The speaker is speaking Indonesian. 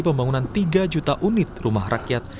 pembangunan tiga juta unit rumah rakyat